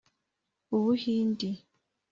Ubuhindi